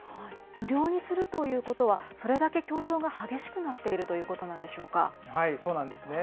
無料にするということは、それだけ競争が激しくなっているとそうなんですね。